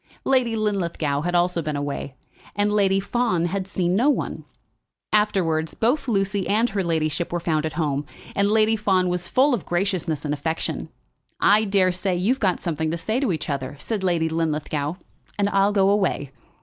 Lady Linlithgow had also been away, and Lady Fawn had seen no one. Afterwards, both Lucy and her ladyship were found at home, and Lady Fawn was full of graciousness and affection. "I daresay you've got something to say to each other," said Lady Linlithgow, "and I'll go away."